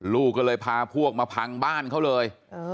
ลูกก็เลยพาพวกมาพังบ้านเขาเลย